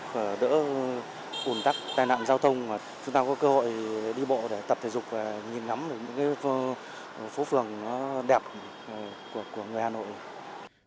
chúng ta có cơ hội đi bộ để tập thể dục và nhìn ngắm những phố phường đẹp của người hà nội